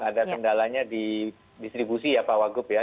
ada kendalanya di distribusi ya pak wagup ya